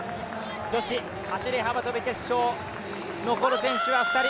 女子走り幅跳び決勝、残る選手は２人。